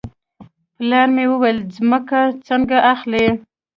پلار مې وویل ځمکه څنګه اخلې.